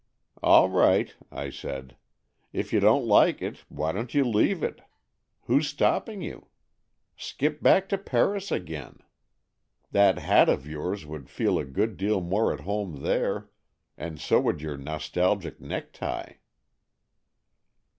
"All right," I said. " If you don't like it, why don't you leave it? Who's stopping you? Skip back to Paris again. That hat AN EXCHANGE OF SOULS 33 of yours would feel a good deal more at home there, and so would your nostalgic necktie."